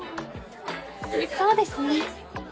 そうですね。